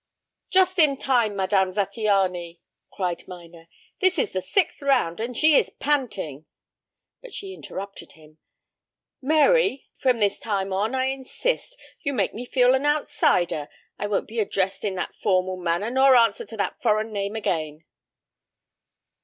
"Just in time, Madame Zattiany," cried Minor. "This is the sixth round and she is panting " But she interrupted him. "'Mary' from this time on. I insist. You make me feel an outsider. I won't be addressed in that formal manner nor answer to that foreign name again."